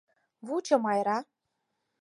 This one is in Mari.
Вучо, Майра.